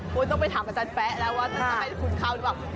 คุณต้องไปถามอาจารย์แป๊ะแล้วว่าจะให้คุณเข้าหรือเปล่า